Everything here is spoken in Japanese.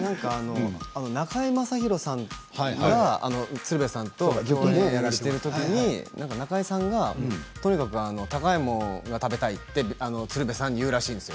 中居正広さんが鶴瓶さんと共演している時に中居さんがとにかく高いものが食べたいって鶴瓶さんに言うらしいんですよ。